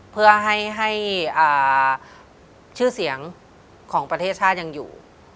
เพื่อให้ชื่อเสียงของประเทศชาติยังอยู่